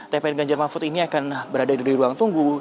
tpn ganjar mahfud ini akan berada di ruang tunggu